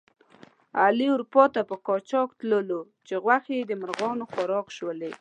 علي اروپا ته په قاچاق تللو چې غوښې د مرغانو خوراک شولې.